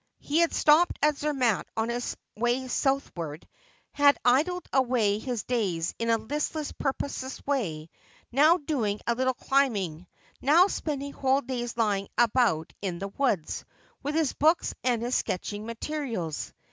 He had stopped at Zermatt on his way southward ; had idled away his days in a listless purposeless way ; now doing a little climbing, now spending whole days lying about in the woods, with his books and his sketching materials.